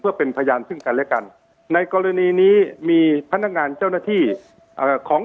เพื่อเป็นพยานที่พิกัดแลกัน